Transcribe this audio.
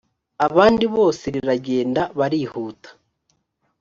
abandi bose riragenda barihuta